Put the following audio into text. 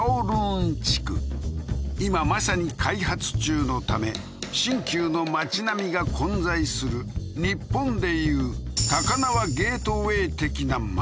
今まさに開発中のため新旧の町並みが混在する日本でいう高輪ゲートウェイ的な街